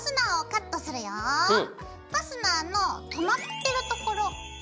ファスナーの留まってるところ。